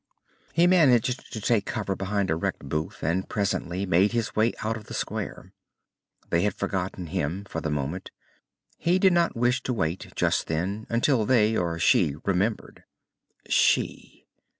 He managed to take cover behind a wrecked booth, and presently make his way out of the square. They had forgotten him, for the moment. He did not wish to wait, just then, until they or she remembered. She.